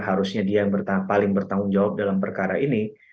harusnya dia yang paling bertanggung jawab dalam perkara ini